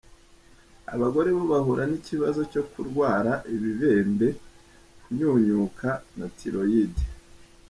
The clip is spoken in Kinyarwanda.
Abagore bo bahura n’ikibazo cyo kurwara ibibembe, kunyunyuka na Thyroïde.